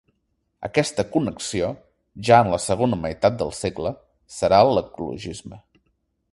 Aquesta connexió, ja en la segona meitat del segle, serà l’ecologisme.